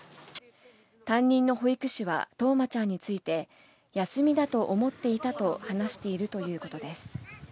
担任の保育士は冬生ちゃんについて、休みだと思っていたと話しているということです。